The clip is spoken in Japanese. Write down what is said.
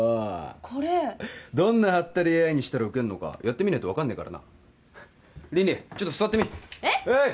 これどんなハッタリＡＩにしたらウケんのかやってみないと分かんねえからな凜々ちょっと座ってみえっ？